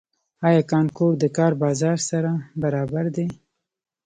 آیا کانکور د کار بازار سره برابر دی؟